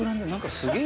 すげえ。